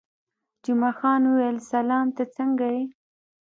جمعه خان وویل: سلام، ته څنګه یې؟